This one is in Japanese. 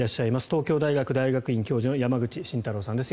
東京大学大学院教授の山口慎太郎さんです。